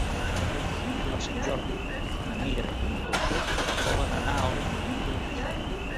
Per Sant Jordi na Mira i na Rosó volen anar a Almenar.